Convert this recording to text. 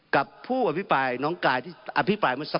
กับผู้อภิปรายน้องกายที่อภิปรายเมื่อสัก